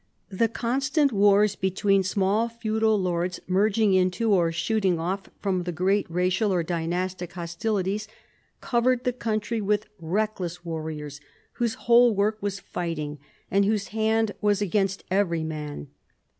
The constant wars between small feudal lords, merging into or shooting off from the great racial or dynastic hostili ties, covered the country with reckless warriors, whose whole work was fighting, and whose hand was against every man.